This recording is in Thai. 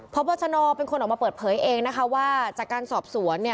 พบชนเป็นคนออกมาเปิดเผยเองนะคะว่าจากการสอบสวนเนี่ย